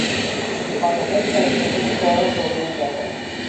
رودخانههایی که از شدت باران طغیان کردهاند